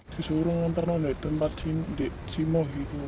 disuruh nantar nanti tempat si moh itu